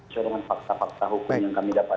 seorang fakta fakta hukum yang kami dapatkan